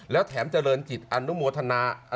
แล้วแถมเจริญจิตอนุโมทนา